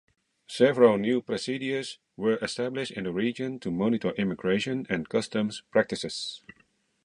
Several new presidios were established in the region to monitor immigration and customs practices.